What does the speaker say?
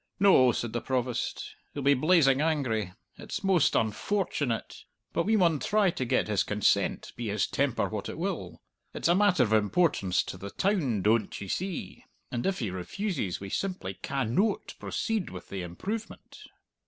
"No," said the Provost; "he'll be blazing angry! It's most unfoartunate. But we maun try to get his consent, be his temper what it will. It's a matter of importance to the town, doan't ye see, and if he refuses we simply can noat proceed wi' the improvement."